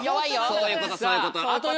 そういうことそういうこと。